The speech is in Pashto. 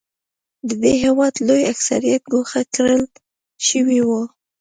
د دې هېواد لوی اکثریت ګوښه کړل شوی و.